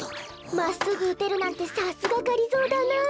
まっすぐうてるなんてさすががりぞーだな。